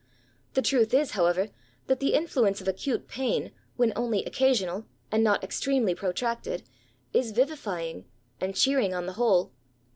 The truth is, however, that the influence of acute pain, when only occasional, and not extremely protracted, is vivifying and cheering on the whole.